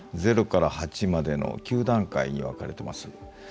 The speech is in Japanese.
０から８までの９段階に分かれています。